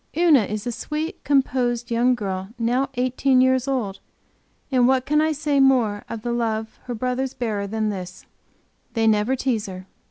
Una is a sweet composed young girl now eighteen years old and what can I say more of the love her brothers bear her than this: they never tease her.